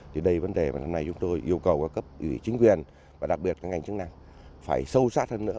thì đây là vấn đề mà năm nay chúng tôi yêu cầu các cấp ủy chính quyền và đặc biệt các ngành chức năng phải sâu sát hơn nữa